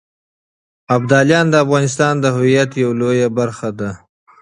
ابداليان د افغانستان د هویت يوه لويه برخه ده.